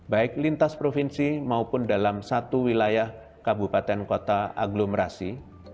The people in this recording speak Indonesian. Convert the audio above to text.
baik lintas provinsi maupun dalam satu wilayah kabupaten kota aglomerasi